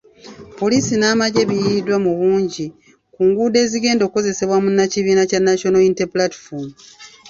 Poliisi n'amagye biyiiriddwa mu bungi ku nguudo ezigenda okukozesebwa munnakibiina kya National Unity Platform.